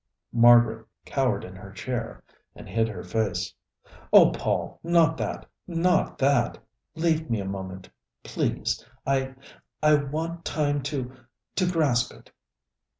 Margaret cowered in her chair and hid her face. "Oh, Paul, not that, not that! Leave me a moment, please. I I want time to to grasp it."